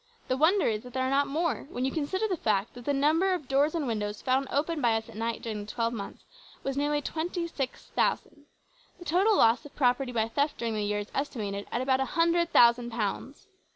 The wonder is that there are not more, when you consider the fact that the number of doors and windows found open by us at night during the twelve months was nearly 26,000. The total loss of property by theft during the year is estimated at about 100,000 pounds.